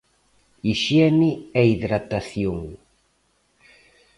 Hixiene e hidratación.